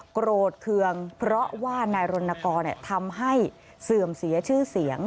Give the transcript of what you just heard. โกรธเคืองเพราะว่านายรณกรทำให้เสื่อมเสียชื่อเสียง